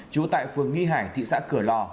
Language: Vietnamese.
chú tại phường nghi hải thị xã cửa lò